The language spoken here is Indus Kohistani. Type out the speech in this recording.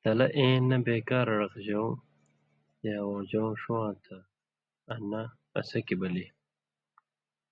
تلہ اېں نہ بے کار ڑقژؤں یا وؤژؤں ݜُون٘واں تھہ آں نہ اڅھکیۡ بلی۔